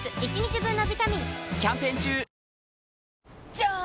じゃーん！